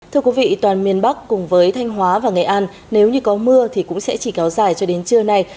thưa quý vị toàn miền bắc cùng với thanh hóa và nghệ an nếu như có mưa thì cũng sẽ chỉ kéo dài cho đến trưa nay